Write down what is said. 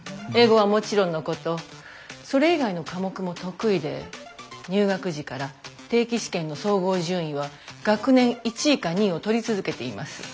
英語はもちろんのことそれ以外の科目も得意で入学時から定期試験の総合順位は学年１位か２位を取り続けています。